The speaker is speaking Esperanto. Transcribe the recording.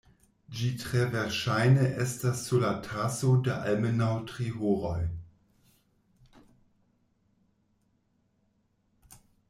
Ĝi tre verŝajne estas sur la taso de almenaŭ tri horoj.